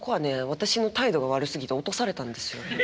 私の態度が悪すぎて落とされたんですよ。